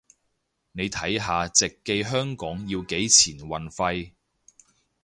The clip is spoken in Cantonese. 你睇下直寄香港要幾錢運費